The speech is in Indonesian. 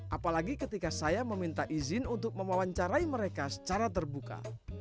apalagi ketika saya meminta izin untuk mewawancarai mereka secara terbuka